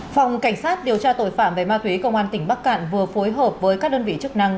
phòng cảnh sát điều tra tội phạm về ma túy công an tỉnh bắc cạn vừa phối hợp với các đơn vị chức năng